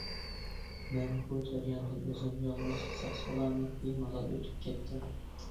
مەن بۇ جەرياندىن ئۆزۈم يالغۇز، ساق-سالامەت، بىمالال ئۆتۈپ كەتتىم.